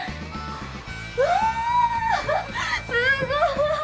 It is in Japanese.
うわっすごい！